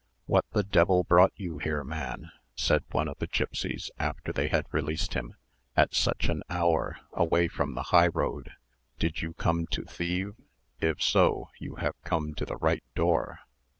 "What the devil brought you here, man," said one of the gipsies, after they had released him, "at such an hour, away from the high road? Did you come to thieve? If so, you have come to the right door?"